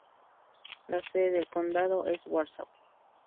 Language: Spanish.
La sede del condado es Warsaw.